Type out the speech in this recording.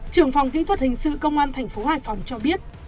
trưởng phòng kỹ thuật hình sự công an thành phố hải phòng cho biết